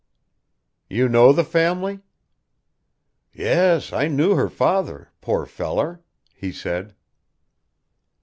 "You know the family?" "Yes, I knew her father, poor feller," he said.